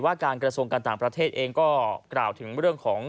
การกระทรวงการต่างประเทศเองก็กล่าวถึงเรื่องของ